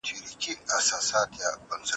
یوازې پایله بسنه نه کوي.